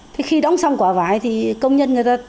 thế khi đóng xong quả vải thì công nhân người ta